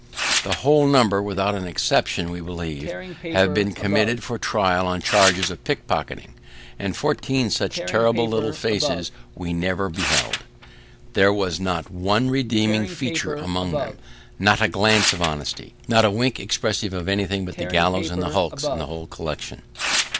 The whole number, without an exception we believe, had been committed for trial on charges of pocket picking; and fourteen such terrible little faces we never beheld. There was not one redeeming feature among them not a glance of honesty not a wink expressive of anything but the gallows and the hulks, in the whole collection.